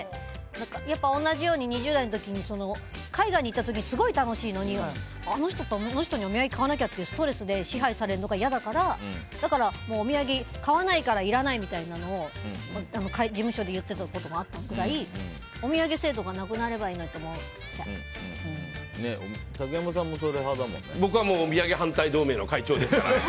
やっぱり同じように２０代の時海外に行った時すごい楽しいのにあの人とあの人にお土産買わなきゃっていうストレスで支配されるのがいやだからだからお土産を買わないからいらないみたいなのを事務所で言ってたこともあるくらいお土産制度が竹山さんも僕はお土産反対同盟の会長ですからね。